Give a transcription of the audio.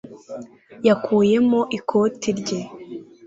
yakuyemo ikoti rye